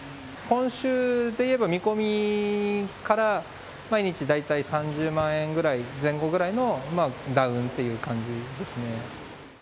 今週で言えば、見込みから、毎日大体３０万円ぐらい、前後ぐらいのダウンっていう感じですね。